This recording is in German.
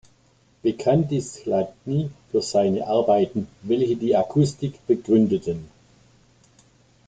Bekannt ist Chladni für seine Arbeiten, welche die Akustik begründeten.